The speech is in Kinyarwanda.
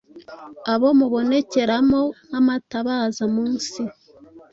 abo mubonekeramo nk’amatabaza mu isi.